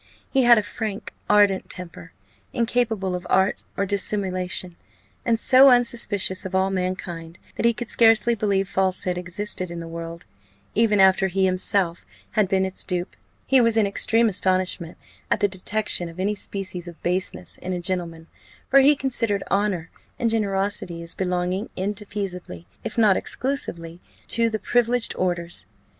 He had a frank, ardent temper, incapable of art or dissimulation, and so unsuspicious of all mankind, that he could scarcely believe falsehood existed in the world, even after he had himself been its dupe. He was in extreme astonishment at the detection of any species of baseness in a gentleman; for he considered honour and generosity as belonging indefeasibly, if not exclusively, to the privileged orders.